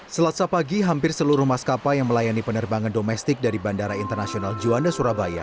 selasa pagi hampir seluruh maskapai yang melayani penerbangan domestik dari bandara internasional juanda surabaya